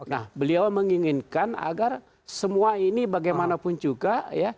nah beliau menginginkan agar semua ini bagaimanapun juga ya